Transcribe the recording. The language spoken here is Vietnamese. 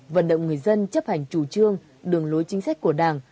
vận động người dân chấp hành chủ trương đường lối chính sách của đảng